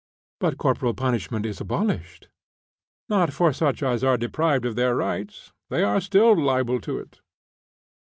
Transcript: "But corporal punishment is abolished." "Not for such as are deprived of their rights. They are still liable to it."